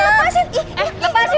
eh eh eh lepasin